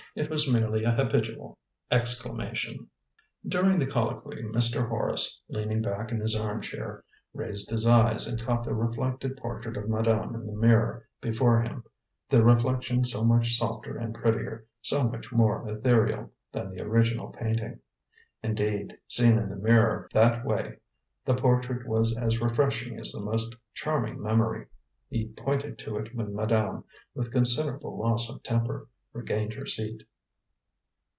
It was merely a habitual exclamation. During the colloquy Mr. Horace, leaning back in his arm chair, raised his eyes, and caught the reflected portrait of madame in the mirror before him the reflection so much softer and prettier, so much more ethereal, than the original painting. Indeed, seen in the mirror, that way, the portrait was as refreshing as the most charming memory. He pointed to it when madame, with considerable loss of temper, regained her seat.